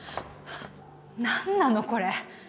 何なのこれ